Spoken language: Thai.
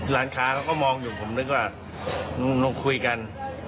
ร้านค้าเขาก็มองอยู่ผมนึกว่าคุยกัน